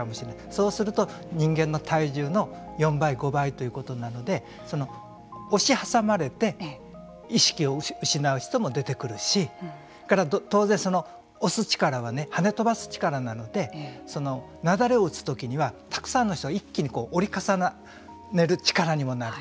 そうすると人間の体重の４倍５倍ということなので押し挟まれて意識を失う人も出てくるし当然押す力がはね飛ばす力なのでなだれを打つときにはたくさんの人が一気に折り重なる力にもなる。